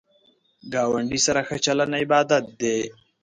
ګاونډی سره ښه چلند عبادت دی